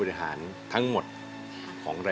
สีหน้าร้องได้หรือว่าร้องผิดครับ